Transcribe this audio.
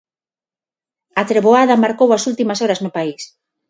A treboada marcou as últimas horas no país.